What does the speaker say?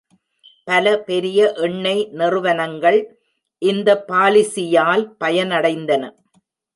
பல பெரிய எண்ணெய் நிறுவனங்கள் இந்த பாலிசியால் பயனடைந்தன.